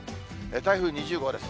台風２０号です。